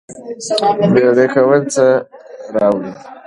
بیړه کول څه راوړي؟